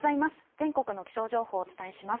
全国の気象情報をお伝えします。